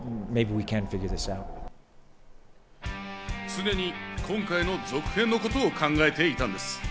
常に今回の続編のことを考えていたんです。